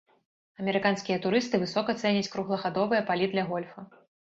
Амерыканскія турысты высока цэняць круглагадовыя палі для гольфа.